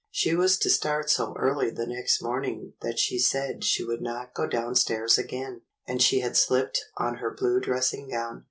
She was to start so early the next morning that she said she would not go downstairs again, and she had shpped on her blue dressing gown.